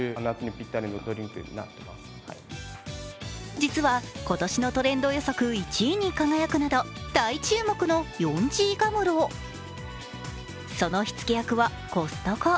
実は今年のトレンド予測１位に輝くなど、大注目のヨンジーガムロその火付け役はコストコ。